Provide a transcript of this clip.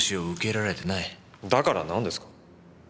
だから何ですか？